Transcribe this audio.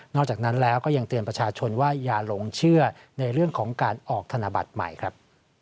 อกจากนั้นแล้วก็ยังเตือนประชาชนว่าอย่าหลงเชื่อในเรื่องของการออกธนบัตรใหม่ครับ